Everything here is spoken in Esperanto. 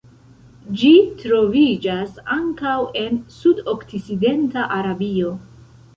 Ĝi troviĝas ankaŭ en sudokcidenta Arabio.